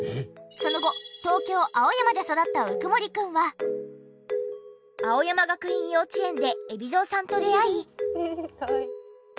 その後東京青山で育った鵜久森くんは青山学院幼稚園で海老蔵さんと出会い。